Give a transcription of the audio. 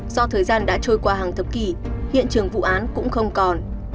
do thời gian đã trôi qua hàng thập kỷ hiện trường vụ án cũng không còn